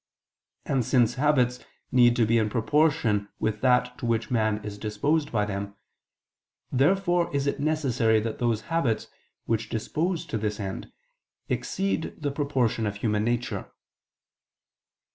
And since habits need to be in proportion with that to which man is disposed by them, therefore is it necessary that those habits, which dispose to this end, exceed the proportion of human nature.